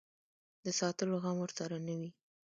د ساتلو غم ورسره نه وي.